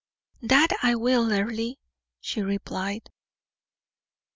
"That I will, Earle," she replied.